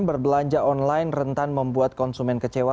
berbelanja online rentan membuat konsumen kecewa